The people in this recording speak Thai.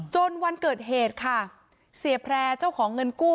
วันเกิดเหตุค่ะเสียแพร่เจ้าของเงินกู้